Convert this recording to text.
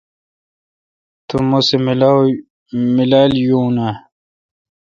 تو مہ سہ میلال یون اؘ۔